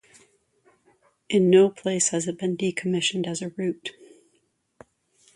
In no place has it been decommissioned as a route.